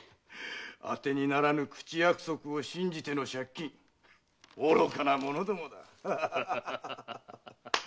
あてにならぬ口約束を信じての借金愚かな者どもだ。